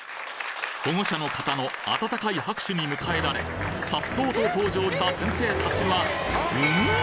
保護者の方の温かい拍手に迎えられ、颯爽と登場した先生たちは、うん？